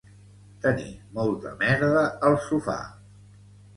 Tenir molta merda al sofà